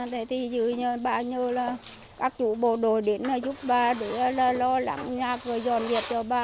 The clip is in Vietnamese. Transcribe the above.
thì bà nhớ là các chủ bộ đội đến giúp bà để lo lắng nhạc và dọn việc cho bà